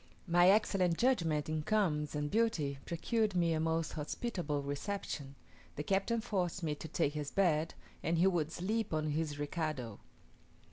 My excellent judgment in combs and beauty procured me a most hospitable reception; the captain forced me to take his bed, and he would sleep on his recado.